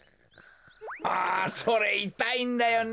あそれいたいんだよね。